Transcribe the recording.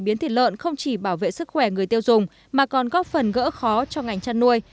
điều này bảo vệ sức khỏe người tiêu dùng mà còn góp phần gỡ khó cho ngành chăn nuôi